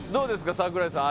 櫻井さん